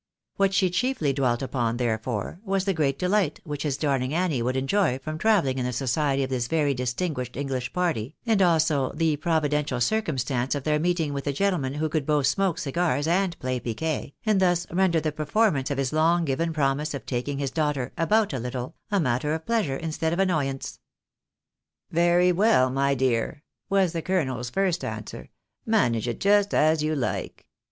What she chiefly dwelt upon, there fore, was the great delight which his darling Annie would enjoy from travelling in the society of this very distinguished Enghsh party, and also the providential circumstance of their meeting with a gentleman who could both smoke cigars and play piquet, and thus render the performance of his long given promise of taking his daughter " about a httle," a matter of pleasure instead of annoy ance. " Very well, my dear," was the colonel's first answer ;" manage it just as you like.